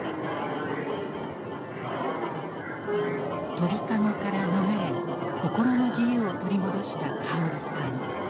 鳥籠から逃れ心の自由を取り戻したカオリさん。